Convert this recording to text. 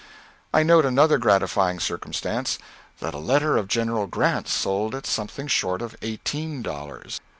I note another gratifying circumstance that a letter of General Grant's sold at something short of eighteen dollars.